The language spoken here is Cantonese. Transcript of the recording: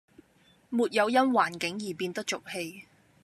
沒有因環境而變得俗氣